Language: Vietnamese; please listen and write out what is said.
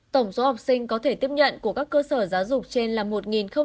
tổng số học sinh có thể tiếp nhận của các cơ sở giáo dục trên là một tám mươi tám em